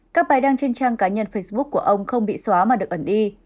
các bài đăng trên trang cá nhân facebook của ông không bị xóa mà được ẩn đi